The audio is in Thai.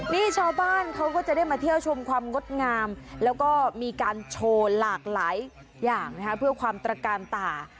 นี่ชาวบ้านเขาก็จะได้มาเที่ยวชมความงดงามแล้วก็มีการโชว์หลากหลายอย่างนะคะเพื่อความตระกาลตา